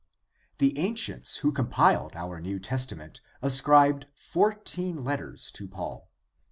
— ^The ancients who compiled our New Testament ascribed fourteen letters to Paul.